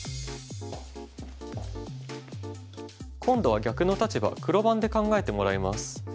今度は逆の立場黒番で考えてもらいます。